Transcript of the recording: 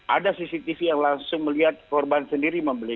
ada cctv yang langsung melihat korban sendiri membeli